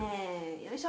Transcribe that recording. よいしょ！